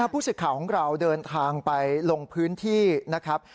ผู้สื่อข่าวของเราเดินทางไปลงพื้นที่นะครับ